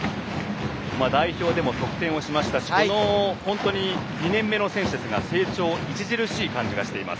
代表でも得点しましたし２年目の選手ですが成長著しい感じがしています。